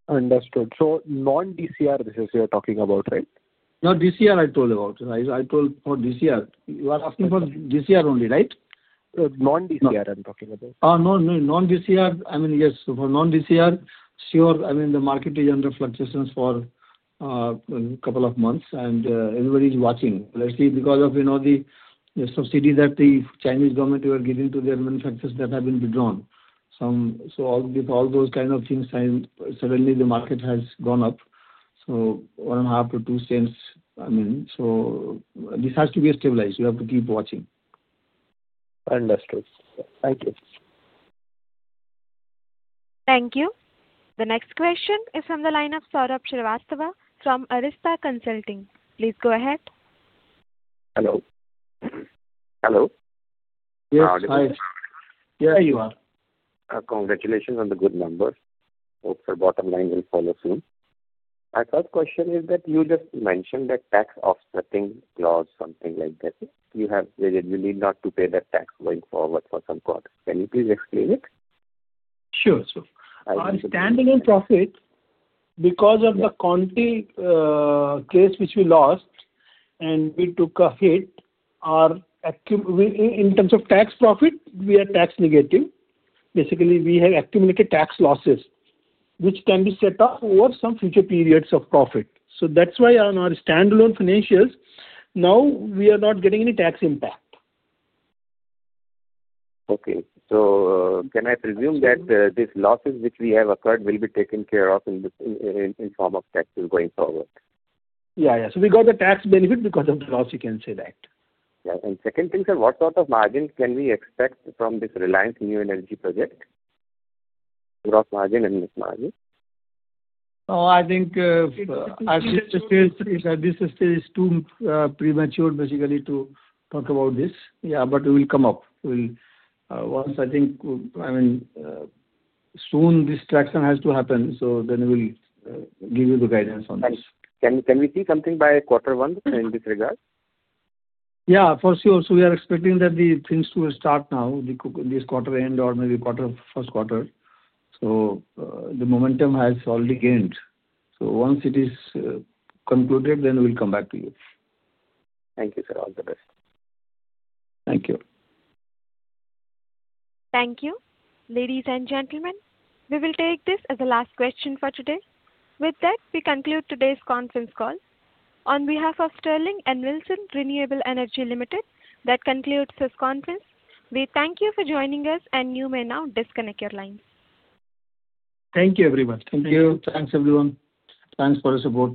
Understood. So non-DCR, this is what you're talking about, right? No, DCR I told about. I told for DCR. You are asking for DCR only, right? Non-DCR I'm talking about. Oh, no, no. Non-DCR, I mean, yes. For non-DCR, sure, I mean, the market is under fluctuations for a couple of months, and everybody is watching. Let's see, because of the subsidy that the Chinese government were giving to their manufacturers that have been withdrawn. So with all those kinds of things, suddenly the market has gone up. So one half or 0.02, I mean. So this has to be stabilized. We have to keep watching. Understood. Thank you. Thank you. The next question is from the line of Saurabh Srivastava from Arista Consulting. Please go ahead. Hello. Hello. Yes, hi. Yeah, you are. Congratulations on the good numbers. Hope the bottom line will follow soon. My first question is that you just mentioned that tax offsetting clause, something like that. You have really not to pay that tax going forward for some quarters. Can you please explain it? Sure, sir. Our standalone profit, because of the Conti case which we lost and we took a hit, in terms of tax profit, we are tax negative. Basically, we have accumulated tax losses, which can be set up over some future periods of profit. So that's why on our standalone financials, now we are not getting any tax impact. Okay, so can I presume that these losses which we have incurred will be taken care of in the form of taxes going forward? Yeah, yeah. So we got the tax benefit because of the loss, you can say that. Yeah. And second thing is what sort of margin can we expect from this Reliance new energy project, gross margin and net margin? Oh, I think this is still too premature, basically, to talk about this. Yeah, but it will come up. Once, I think, I mean, soon this traction has to happen. So then we'll give you the guidance on this. Can we see something by quarter one in this regard? Yeah, for sure. So we are expecting that the things will start now, this quarter end or maybe quarter first quarter. So the momentum has already gained. So once it is concluded, then we'll come back to you. Thank you, sir. All the best. Thank you. Thank you. Ladies and gentlemen, we will take this as the last question for today. With that, we conclude today's conference call. On behalf of Sterling and Wilson Renewable Energy Limited, that concludes this conference. We thank you for joining us, and you may now disconnect your lines. Thank you, everyone. Thank you. Thanks, everyone. Thanks for the support.